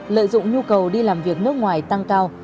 lợi dụng nhu cầu đi làm việc nước ngoài tăng cao